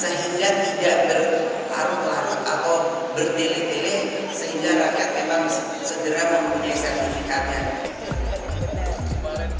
sehingga tidak berlarut larut atau berdele dele sehingga rakyat memang segera memiliki sertifikatnya